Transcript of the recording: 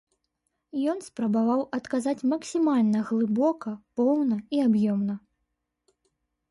Ён спрабаваў адказаць максімальна глыбока, поўна і аб'ёмна.